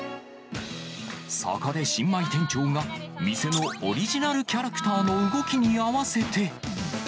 そこで新米店長が、店のオリジナルキャラクターの動きに合わせて。